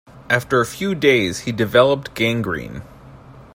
After a few days, he developed gangrene.